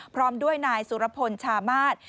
พร้อมด้วยนายสุรพลชามาศ